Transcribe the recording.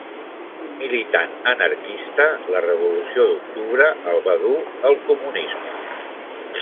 Militant anarquista, la revolució d'octubre el va dur al comunisme.